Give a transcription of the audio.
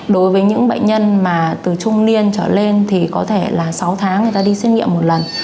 đối với những bệnh nhân mà từ trung niên trở lên thì có thể là sáu tháng người ta đi xét nghiệm một lần